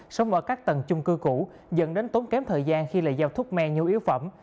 sống ở các tầng chung cư cũ dẫn đến tốn kém thời gian khi lại giao thuốc me như yếu phẩm